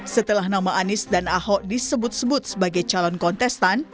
setelah nama anies dan ahok disebut sebut sebagai calon kontestan